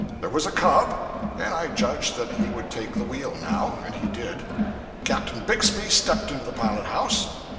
There was a 'cub,' and I judged that he would take the wheel now; and he did. Captain Bixby stepped into the pilot house.